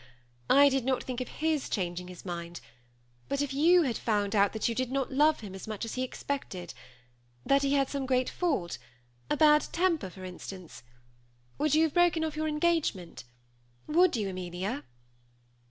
I did not think of hii changing his mind ; but if y(m had found out that you did not love him as much as he expected — that he had some great fault, a bad temper, for instance, would you have broken off your engagement ? Would you, Amelia